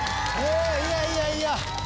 いやいやいや。